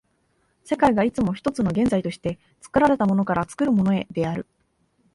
世界がいつも一つの現在として、作られたものから作るものへである。